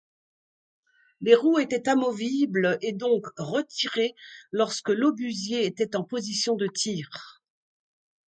Les roues étaient amovibles et donc retirées lorsque l'obusier était en position de tir.